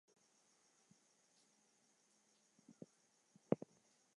Walz is on record supporting legislation to lower tuition costs.